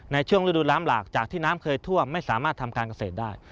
ในช่วงฤดูน้ำหลากจากที่น้ำเคยท่วมไม่สามารถทำการเกษตรได้